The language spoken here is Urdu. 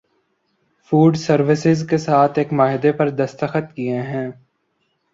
فوڈ سروسز کے ساتھ ایک معاہدے پر دستخط کیے ہیں